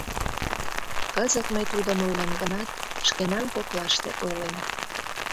Кызыт мый тудым ойлем гынат, шкенан коклаште ойлем.